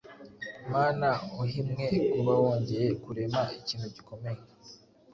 Mana uhimwe kuba wongeye kurema ikintu gikomeye